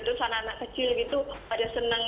terus anak anak kecil gitu pada seneng